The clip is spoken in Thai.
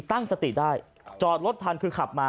ตั้งสติได้จอดรถทันคือขับมา